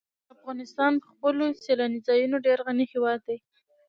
افغانستان په خپلو سیلاني ځایونو ډېر غني هېواد دی.